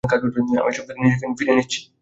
আমি এসব থেকে নিজেকে ফিরিয়ে নিচ্ছি।